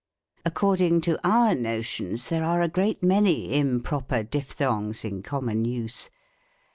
According to our notions there are a great many improper dipthongs in common use.